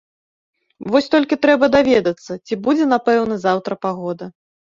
Вось толькі трэба даведацца, ці будзе напэўна заўтра пагода.